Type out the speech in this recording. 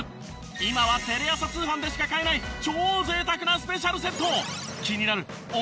今はテレ朝通販でしか買えない超贅沢なスペシャルセット。